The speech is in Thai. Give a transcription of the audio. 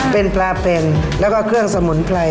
เป็นปลาเป็งแล้วก็เครื่องสมุนไพร